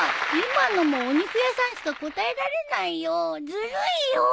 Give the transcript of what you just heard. ずるいよ！